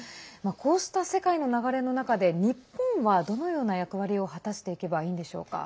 こうした世界の流れの中で日本はどのような役割を果たしていけばいいんでしょうか。